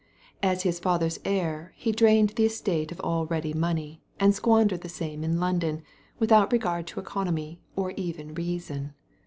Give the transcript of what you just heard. As his father's heir, he drained the estate of all ready money, and squandered the same in London without regard to economy or even reason.